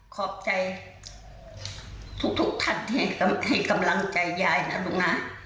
ขอบใจทุกท่านที่ให้กำลังใจยายนะลูกนะ